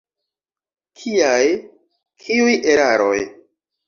Kiaj, kiuj eraroj?